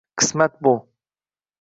Qismat bu…